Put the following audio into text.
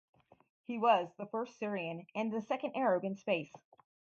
He was the first Syrian and the second Arab in space.